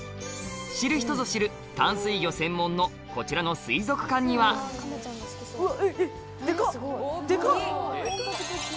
知る人ぞ知る淡水魚専門のこちらの水族館にはうわ！